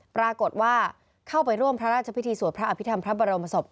ปรากฏว่าเข้าไปร่วมพระราชพิธีสวดพระอภิษฐรรมพระบรมศพ